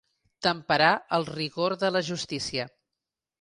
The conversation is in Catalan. Temperar el rigor de la justícia.